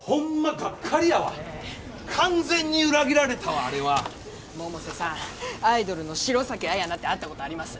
がっかりやわ完全に裏切られたわあれは百瀬さんアイドルの城崎彩菜って会ったことあります？